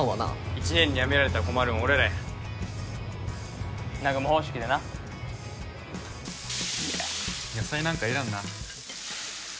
１年にやめられたら困るんは俺らや南雲方式でな野菜なんかいらんな